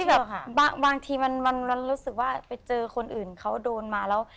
แบบบางทีมันรู้สึกว่าไปเจอคนอื่นเขาโดนมาแล้ว